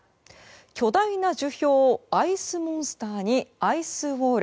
巨大な樹氷、アイスモンスターにアイスウォール。